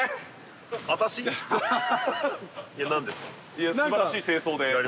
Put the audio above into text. いや素晴らしい正装で。